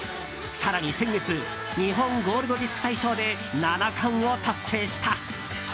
更に先月日本ゴールドディスク大賞で７冠を達成した。